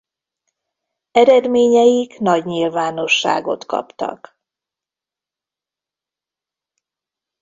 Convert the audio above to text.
Eredményeik nagy nyilvánosságot kaptak.